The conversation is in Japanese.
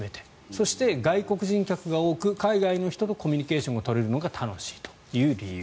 そして外国人客が多く海外の人とコミュニケーションが取れるのが楽しいという理由。